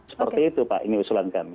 seperti itu pak ini usulan kami